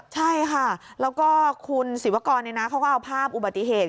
ใช่ค่ะแล้วก็คุณศิวกรเขาก็เอาภาพอุบัติเหตุ